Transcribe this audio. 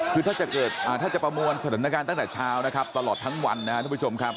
คือถ้าเกิดถ้าจะประมวลสถานการณ์ตั้งแต่เช้านะครับตลอดทั้งวันนะครับทุกผู้ชมครับ